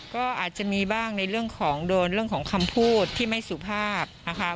ก็อาจจะมีบ้างในเรื่องของโดนเรื่องของคำพูดที่ไม่สุภาพนะคะ